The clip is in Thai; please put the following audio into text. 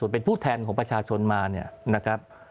เป็นผู้แทนของประชาชนมาเนี่ยนะครับ